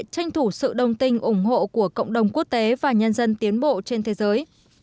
tranh thủ sự đồng tình ủng hộ của cộng đồng quốc tế và nhân dân tiến bộ trên thế giới